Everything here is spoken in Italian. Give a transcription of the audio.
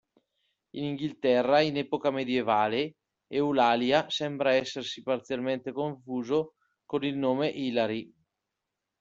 In Inghilterra, in epoca medievale, "Eulalia" sembra essersi parzialmente confuso con il nome "Hilary".